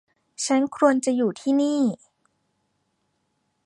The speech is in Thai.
ฉันควรจะอยู่ที่นี่